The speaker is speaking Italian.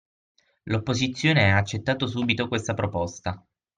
L'opposizione ha accettato subito questa proposta.